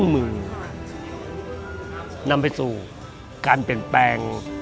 เพราะฉะนั้น